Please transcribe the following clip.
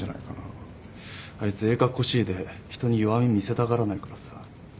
あいつええかっこしいで人に弱み見せたがらないからさ。